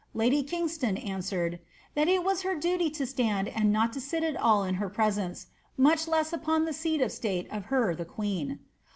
Lady Kingston answered, ' that it was her duty to stand and oot to sit at all in her presence, much less upon the seat of state of her the queen.'